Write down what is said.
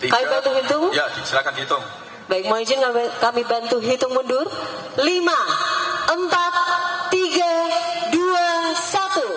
baik muli jin sebelumnya kami bantu hitung mundur